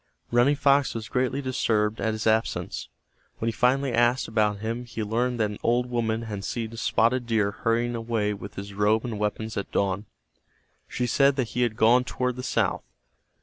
Running Fox was greatly disturbed at his absence. When he finally asked about him he learned that an old woman had seen Spotted Deer hurrying away with his robe and weapons at dawn. She said that he had gone toward the south.